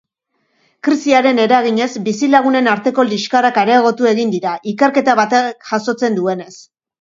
Krisiaren eraginez bizilagunen arteko liskarrak areagotu egin dira, ikerketa batek jasotzen duenez.